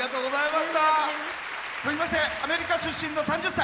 続きましてアメリカ出身の３０歳。